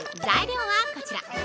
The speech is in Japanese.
材料はこちら。